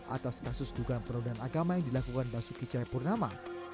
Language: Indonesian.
atas kasus dugaan perundangan agama yang dilakukan basuki cahaya purnama